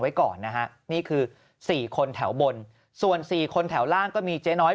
ไว้ก่อนนะฮะนี่คือ๔คนแถวบนส่วน๔คนแถวล่างก็มีเจ๊น้อย